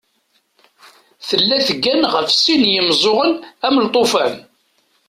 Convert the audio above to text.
Tella teggan ɣef sin n yimeẓẓuɣen am lṭufan.